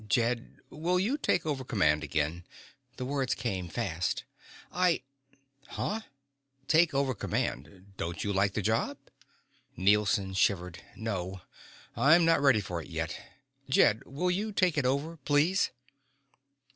"Jed, will you take over command again?" The words came fast. "I " "Huh? Take over command? Don't you like the job?" Nielson shivered. "No. I'm not ready for it yet. Jed, will you take it over, please?"